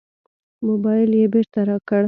موبایل یې بېرته راکړ.